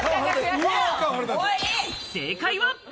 正解は。